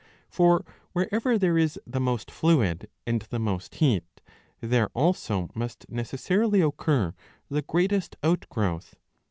For wherever there is the most fluid and the most heat, there also must necessarily occur the greatest outgrowth.